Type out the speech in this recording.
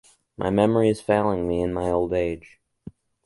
My memory is failing me in my old age.